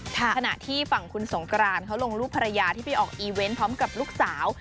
ขณะที่ฝั่งคุณสงกรานเขาลงรูปภรรยาที่ไปออกอีเวนต์พร้อมกับลูกสาว